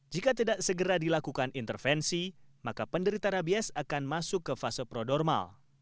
jika tidak segera dilakukan intervensi maka penderita rabies akan masuk ke fase prodormal